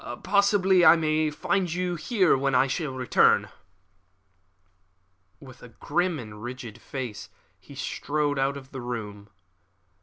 Possibly I may find you here when I return." With a grim and rigid face he strode out of the room.